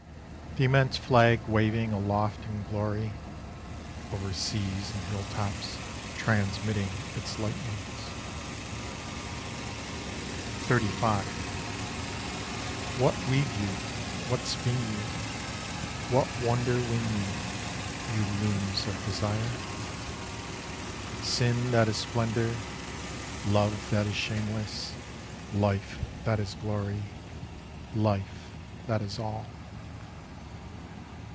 The immense flag waving Aloft in glory: Over seas and hilltops Transmitting its lightnings. XXXV What weave you, what spin you, What wonder win you, You looms of desire? Sin that is splendour, Love that is shameless, Life that is glory, Life that is all.